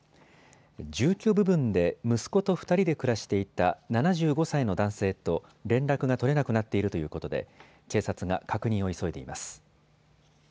住居部分で息子と２人で暮らしていた７５歳の男性と連絡が取れなくなっているということで警察が確認を急いでいます。